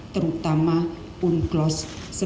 terutama unclos seribu sembilan ratus delapan puluh dua